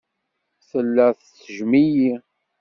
Tella tettejjem-iyi.